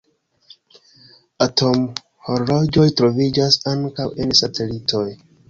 Atomhorloĝoj troviĝas ankaŭ en satelitoj.